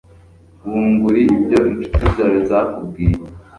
bunguri ibyo inshuti zawe zakubwiye